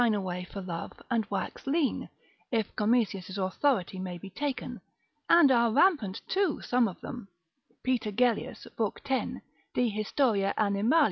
Fishes pine away for love and wax lean, if Gomesius's authority may be taken, and are rampant too, some of them: Peter Gellius, lib. 10. de hist, animal.